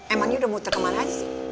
emangnya udah muter kemana aja sih